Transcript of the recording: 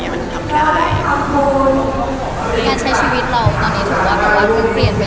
มันทำไม่ได้